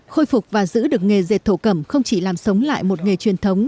khôi phục và giữ được nghề dệt thổ cẩm không chỉ làm sống lại một nghề truyền thống